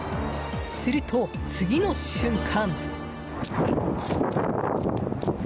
すると、次の瞬間。